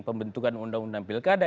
pembentukan undang undang pilkada